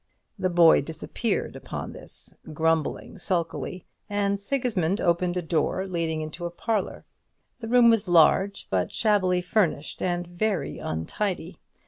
The boy disappeared upon this, grumbling sulkily; and Sigismund opened a door leading into a parlour. The room was large, but shabbily furnished and very untidy.